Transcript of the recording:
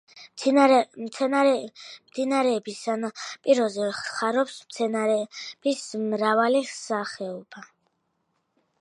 მდინარის სანაპიროებზე ხარობს მცენარეების მრავალი სახეობა.